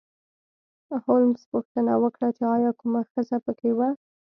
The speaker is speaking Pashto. هولمز پوښتنه وکړه چې ایا کومه ښځه په کې وه